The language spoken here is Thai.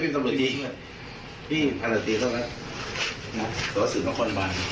แต่ว่าสื่อมาคนบ้าง